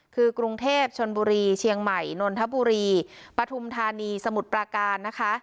คือกรุงเทพชนบุรีเชียงใหม่นนทบุรีปฐุมธานีสมุทรปราการนะคะ